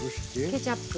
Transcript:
ケチャップ。